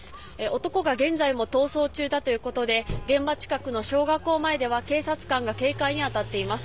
男が現在も逃走中だということで現場近くの小学校前では警察官が警戒に当たっています。